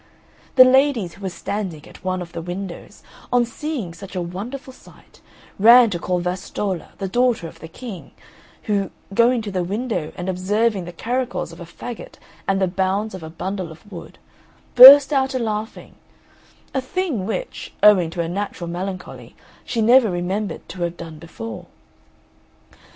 The ladies who were standing at one of the windows, on seeing such a wonderful sight, ran to call Vastolla, the daughter of the King, who, going to the window and observing the caracoles of a faggot and the bounds of a bundle of wood, burst out a laughing a thing which, owing to a natural melancholy, she never remembered to have done before.